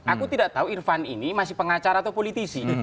aku tidak tahu irfan ini masih pengacara atau politisi